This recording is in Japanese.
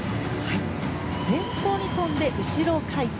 前方に跳んで後ろ回転。